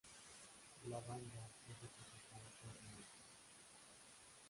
La banda es representada por Next.